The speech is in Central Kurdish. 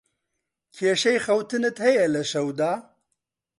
کێشەی خەوتنت هەیە لە شەودا؟